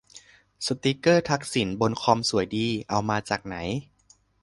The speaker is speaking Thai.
สติกเกอร์ทักษิณบนคอมสวยดี เอามาจากไหน